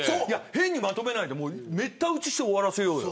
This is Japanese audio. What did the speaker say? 変にまとめないでめった打ちして終わらせようよ。